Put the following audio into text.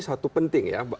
suatu penting ya